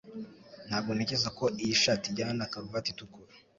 Ntabwo ntekereza ko iyi shati ijyana na karuvati itukura